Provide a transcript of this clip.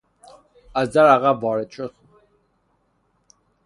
از در عقب وارد شد.